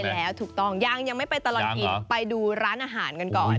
แล้วถูกต้องยังยังไม่ไปตลอดกินไปดูร้านอาหารกันก่อน